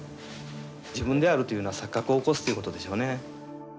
自分であるというような錯覚を起こすということでしょうね。